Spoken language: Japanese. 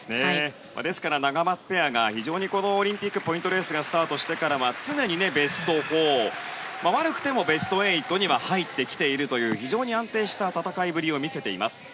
ですから、ナガマツペアが非常にオリンピックのポイントレースがスタートしてからは常にベスト４悪くてもベスト８には入ってきているという非常に安定した戦いぶりを見せています。